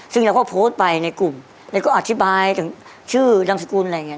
ซึ่งเราก็โพสต์ไปในกลุ่มแล้วก็อธิบายถึงชื่อนามสกุลอะไรอย่างเง